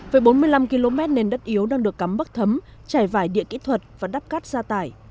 về bốn mươi năm km nền đất yếu đang được cắm bất thấm chảy vải địa kỹ thuật và đắp cát ra tải